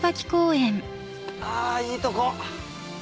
あいいとこ。